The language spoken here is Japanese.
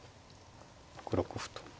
６六歩と。